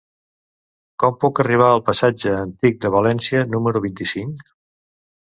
Com puc arribar al passatge Antic de València número vint-i-cinc?